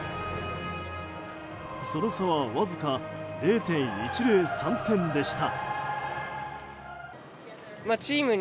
その差はわずか０．１０３点でした。